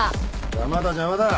邪魔だ邪魔だ。